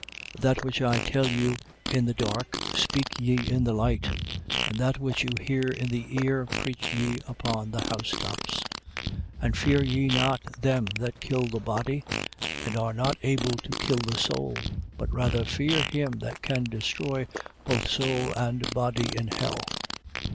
10:27. That which I tell you in the dark, speak ye in the light: and that which you hear in the ear, preach ye upon the housetops. 10:28. And fear ye not them that kill the body, and are not able to kill the soul: but rather fear him that can destroy both soul and body in hell.